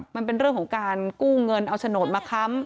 มันเป็นเรื่องของการกู้เงินเอาโฉนดมาค้ำ